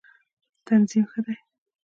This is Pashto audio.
تنظیم ښه دی.